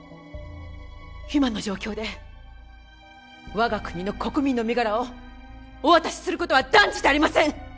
今の状況で我が国の国民の身柄をお渡しすることは断じてありません